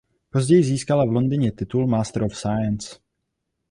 Později získala v Londýně titul Master of Science.